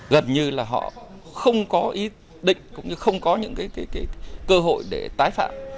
gần như là họ không có ý định cũng như không có những cái cơ hội để tái phạm